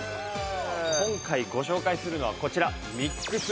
今回ご紹介するのはこちら。